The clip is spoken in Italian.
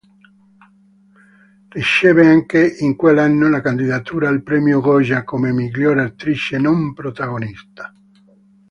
Riceve anche in quell'anno la candidatura al premio Goya, come miglior attrice non protagonista.